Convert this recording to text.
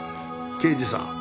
刑事さん